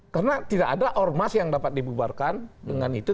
karena tidak ada ormas yang dapat dibubarkan dengan itu